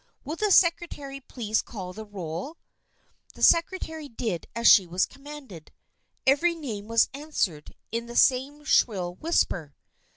" Will the secretary please call the roll?" The secretary did as she was commanded. Every name was answered, in the same shrill whisper.